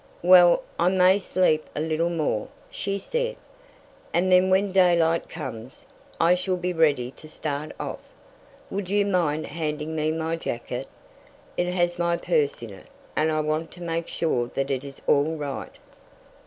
"Well, I may sleep a little more," she said, "and then when daylight comes, I shall be ready to start off. Would you mind handing me my jacket. It has my purse in it, and I want to make sure that it is all right."